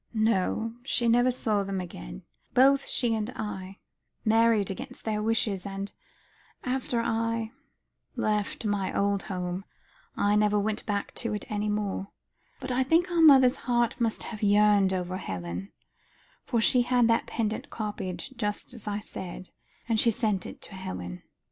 "No, she never saw them again. Both she and I married against their wishes, and after I left my old home, I never went back to it any more. But I think our mother's heart must have yearned over Helen, for she had that pendant copied, just as I said, and she sent it to Helen.